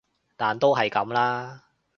但都係噉啦